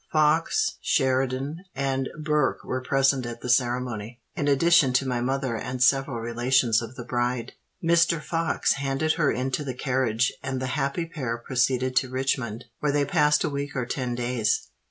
Fox, Sheridan, and Burke were present at the ceremony, in addition to my mother and several relations of the bride. Mr. Fox handed her into the carriage; and the happy pair proceeded to Richmond, where they passed a week or ten days.